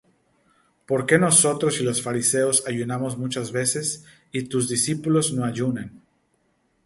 ¿Por qué nosotros y los Fariseos ayunamos muchas veces, y tus discípulos no ayunan?